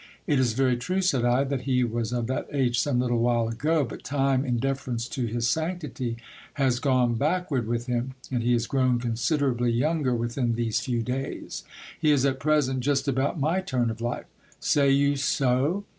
It is very true, said I, that he was of that age some little while ago ; but time, in deference to his sanctity, has gone backward with him ; and he is grown considerably younger within these few days. He is at present just about my turn of life. Say you so